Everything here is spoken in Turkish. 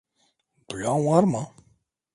Duyan var mı?